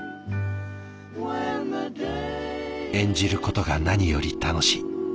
「演じることが何より楽しい」。